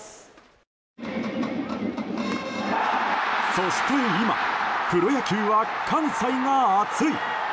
そして今、プロ野球は関西が熱い！